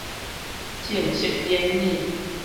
政策研擬